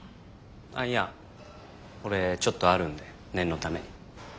あいや俺ちょっとあるんで念のために。